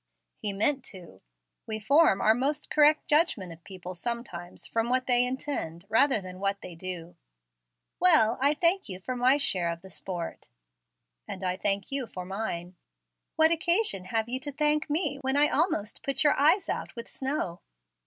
"He meant to. We form our most correct judgment of people sometimes from what they intend, rather than what they do." "Well, I thank you for my share of the sport." "And I thank you for mine." "What occasion have you to thank me, when I almost put your eyes out with snow?"